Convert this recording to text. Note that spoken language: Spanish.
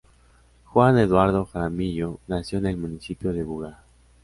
Juan Eduardo Jaramillo nació en el municipio de Buga.